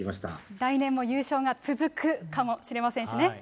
来年も優勝が続くかもしれませんしね。